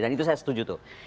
dan itu saya setuju tuh